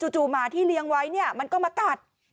จู่หมาที่เลี้ยงไว้เนี่ยก็มาตัด